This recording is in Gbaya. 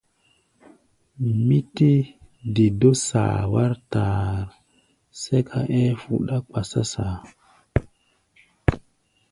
Mí tɛ́ de dó saa wár taar, sɛ́ká ɛ́ɛ́ fuɗá kpasá saa.